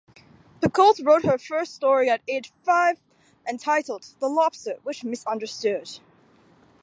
Picoult wrote her first story at age five, entitled "The Lobster Which Misunderstood".